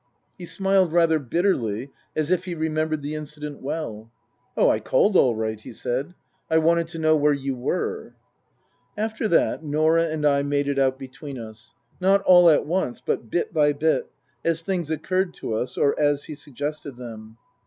He smiled rather bitterly as if he remembered the incident well. " Oh, I called all right," he said. " I wanted to know where you were." After that Norah and I made it out between us. Not all at once, but bit by bit, as things occurred to us or as he suggested them.